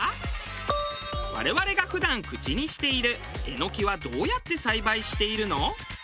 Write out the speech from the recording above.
我々が普段口にしているエノキはどうやって栽培しているの？